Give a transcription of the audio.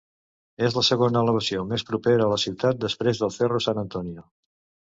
És la segona elevació més propera a la ciutat després del Cerro San Antonio.